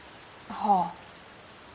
はあ。